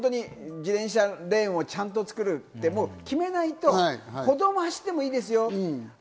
自転車レーンをちゃんと作るって決めないと歩道も走ってもいいですよ。